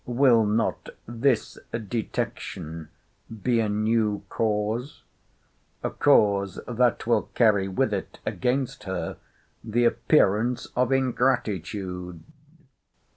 —Will not this detection be a new cause?—A cause that will carry with it against her the appearance of ingratitude!